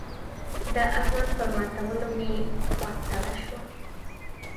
د احمد پر ماتولو مې خوا سړه شوه.